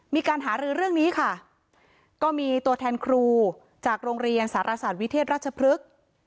มีการหารือเรื่องนี้ค่ะก็มีตัวแทนครูจากโรงเรียนสารศาสตร์วิเทศราชพฤกษ์